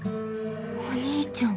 お兄ちゃん。